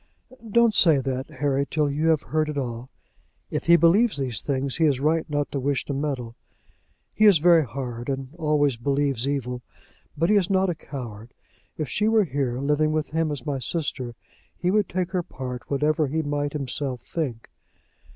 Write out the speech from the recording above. "Don't say that, Harry, till you have heard it all. If he believes these things, he is right not to wish to meddle. He is very hard, and always believes evil. But he is not a coward. If she were here, living with him as my sister, he would take her part, whatever he might himself think."